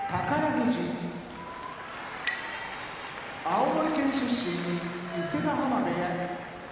富士青森県出身伊勢ヶ濱部屋